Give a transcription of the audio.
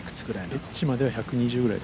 エッジまでは１２０ぐらい。